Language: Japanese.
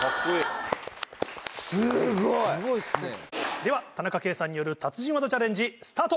では田中圭さんによる達人技チャレンジスタート！